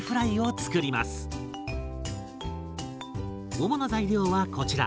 主な材料はこちら。